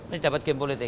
ini dapat game politik